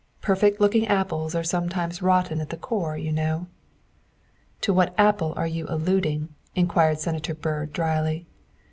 Perfect looking apples are some times rotten at the core, you know." '' To what apple are you alluding ?'' inquired Senator Byrd dryly.